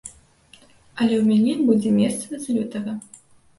Але ў мяне будзе месца з лютага.